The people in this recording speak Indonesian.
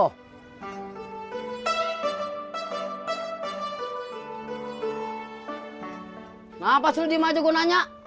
kenapa sih lo dimana aja gue nanya